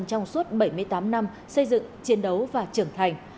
trong suốt bảy mươi tám năm xây dựng chiến đấu và trưởng thành